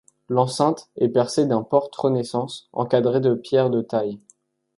L'enceinte est percée d'un porte Renaissance encadrée de pierres de taille.